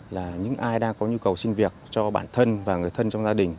là những ai đang có nhu cầu sinh việc cho bản thân và người thân trong gia đình